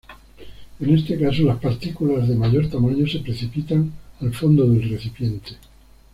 En este caso las partículas de mayor tamaño se precipitan al fondo del recipiente.